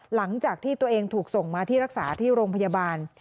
หลังจากที่ตัวเองถูกส่งมาที่รักษาที่โรงพยาบาล